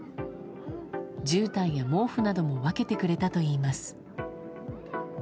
じゅうたんや毛布なども分けてくれたといいます。